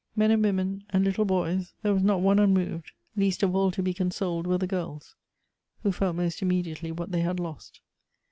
Men and women, and little boys, there was not one unmoved ; least of all to be consoled were the girls, who felt most immediately what they had lost.